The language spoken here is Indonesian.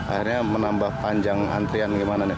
akhirnya menambah panjang antrian gimana nih